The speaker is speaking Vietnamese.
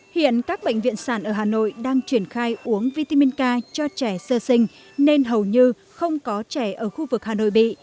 hiện các bệnh viện sản ở hà nội đang triển khai uống vitamin ca cho trẻ sơ sinh nên hầu như không có trẻ ở khu vực hà nội bị